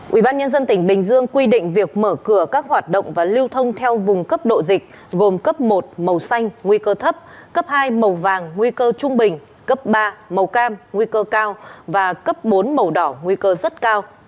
ubnd tỉnh bình dương quy định việc mở cửa các hoạt động và lưu thông theo vùng cấp độ dịch gồm cấp một màu xanh nguy cơ thấp cấp hai màu vàng nguy cơ trung bình cấp ba màu cam nguy cơ cao và cấp bốn màu đỏ nguy cơ rất cao